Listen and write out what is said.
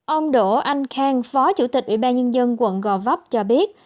ông đỗ anh khang phó chủ tịch ủy ban nhân dân quận gò vấp cho biết